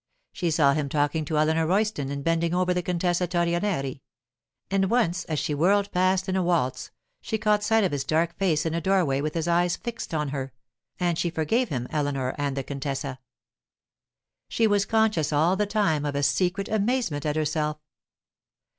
She saw him talking to Eleanor Royston and bending over the Contessa Torrenieri. And once, as she whirled past in a waltz, she caught sight of his dark face in a doorway with his eyes fixed on her, and she forgave him Eleanor and the contessa. She was conscious all the time of a secret amazement at herself.